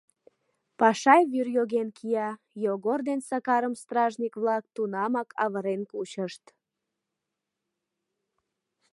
Пашай вӱр йоген кия, Йогор ден Сакарым стражник-влак тунамак авырен кучышт.